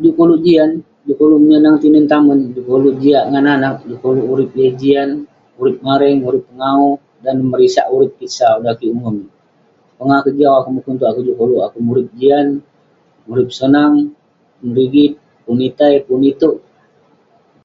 du'kuk ulouk jian, du'kuk menyonang tinen tamen, du'kuk ulouk jiak ngan anag, du'kuk ulouk urip ireh jiak,..urip mareng, urip pengawu..dan merisat urip kik sau, dan kik umon, pongah akouk jau, akouk mukun itouk, akouk juk koluk akouk murip jian, murip sonang..pun rigit, pun etey, pun itouk